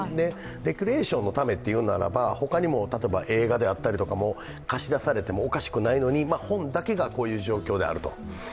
レクリエーションのためというならば、他にも例えば映画であったりとかも貸し出されてもおかしくないのに本だけがこういう状況であると。